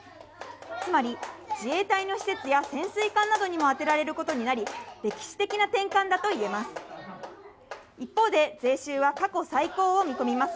つまり、自衛隊の施設や潜水艦などにも充てられることになり、歴史的な転換だといえます。